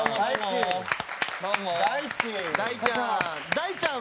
大ちゃん。